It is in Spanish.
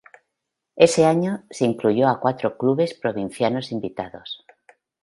Ese año, se incluyó a cuatro clubes provincianos invitados.